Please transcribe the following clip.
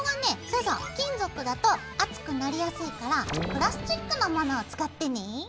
そうそう金属だと熱くなりやすいからプラスチックのモノを使ってね。